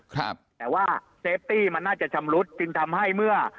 ครับแต่ว่าเซฟตี้มันน่าจะชำรุดจึงทำให้เมื่อ